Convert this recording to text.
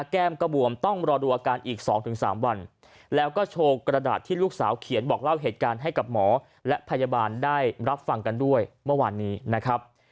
แก้มก็บวมต้องรอดูอาการอีก๒๓วันแล้วก็โชว์กระดาษที่ลูกสาวเขียนบอกเล่าเหตุการณ์ให้กับหมอและพยาบาลได้รับฟังกันด้วยเมื่อวานนี้นะครับ